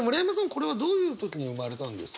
これはどういう時に生まれたんですか？